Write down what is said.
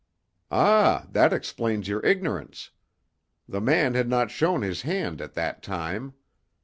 "Ah, that explains your ignorance. The man had not shown his hand at that time.